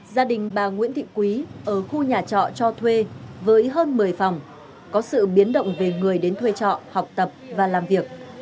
gia đình bà nguyễn thị quý ở khu nhà trọ cho thuê với hơn một mươi phòng có sự biến động về người đến thuê trọ học tập và làm việc